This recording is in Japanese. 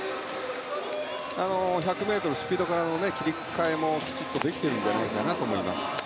１００ｍからスピードの切り替えもきちんとできているんじゃないかなと思います。